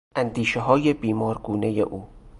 اندیشههای بیمارگونهی او